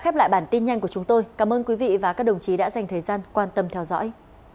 chúng tôi đã khép lại bản tin nhanh của chúng tôi cảm ơn quý vị và các đồng chí đã dành thời gian quan tâm theo dõi